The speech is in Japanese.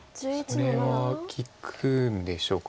それは利くんでしょうか。